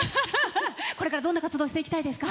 これからどんな活動していきたいですか？